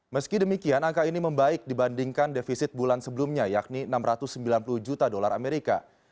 meski demikian angka ini membaik dibandingkan defisit bulan sebelumnya yakni enam ratus sembilan puluh juta dolar amerika